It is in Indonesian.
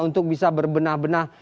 untuk bisa berbenah benah